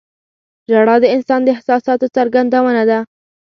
• ژړا د انسان د احساساتو څرګندونه ده.